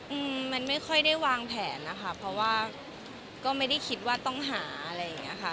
อืมมันไม่ค่อยได้วางแผนนะคะเพราะว่าก็ไม่ได้คิดว่าต้องหาอะไรอย่างเงี้ยค่ะ